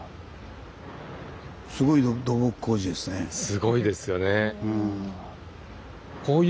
すごいですよね。